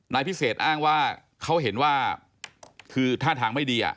นายพิเศษอ้างว่าเขาเห็นว่าคือท่าทางไม่ดี